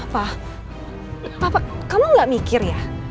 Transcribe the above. pa papa kamu gak mikir ya